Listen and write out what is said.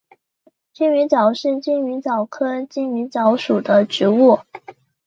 金鱼藻是金鱼藻科金鱼藻属的植物。